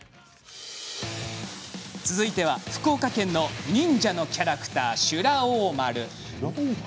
続いては、福岡県の忍者のキャラクター、修羅王丸。